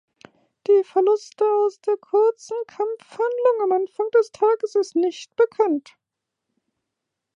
Die Verluste aus der kurzen Kampfhandlung am Anfang des Tages ist nicht bekannt.